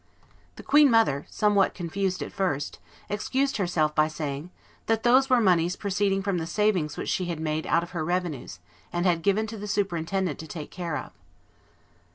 The queen mother, somewhat confused at first, excused herself by saying, that "those were moneys proceeding from the savings which she had made out of her revenues, and had given to the superintendent to take care of."